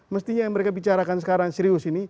mestinya yang mereka bicarakan sekarang serius ini